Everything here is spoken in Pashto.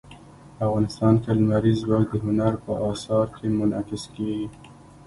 افغانستان کې لمریز ځواک د هنر په اثار کې منعکس کېږي.